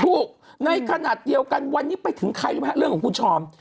ในขณะเดียวกันวันนี้ไปถึงใครรู้ไหมฮะเรื่องของคุณชอม